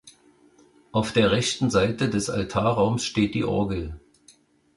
Auf der rechten Seite des Altarraums steht die Orgel.